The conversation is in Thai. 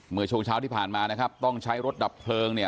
เมื่อช่วงเช้าที่ผ่านมาต้องใช้รถดับเพลิง่